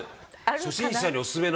初心者におすすめの。